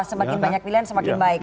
semakin banyak pilihan semakin baik